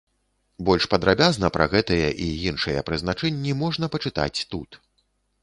Больш падрабязна пра гэтыя і іншыя прызначэнні можна пачытаць тут.